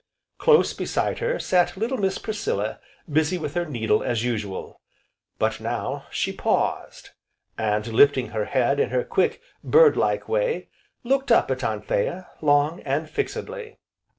Close beside her sat little Miss Priscilla busy with her needle as usual, but now she paused, and lifting her head in her quick, bird like way, looked up at Anthea, long, and fixedly.